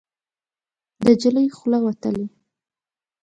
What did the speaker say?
د نجلۍ خوله وتلې